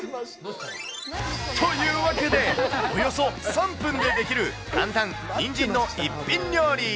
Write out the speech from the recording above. というわけで、およそ３分で出来る簡単にんじんの一品料理。